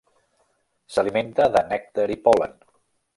S'alimenta de nèctar i pol·len.